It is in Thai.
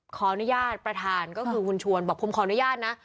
ขออนุญาตประธานก็คือคุณชวนบอกผมขออนุญาตนะ